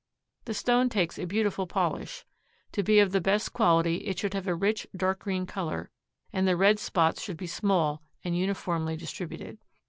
The stone takes a beautiful polish. To be of the best quality it should have a rich dark green color and the red spots should be small and uniformly distributed.